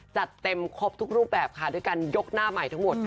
จัดเต็มครบทุกรูปแบบและโยกหน้าใหม่ทั้งหมด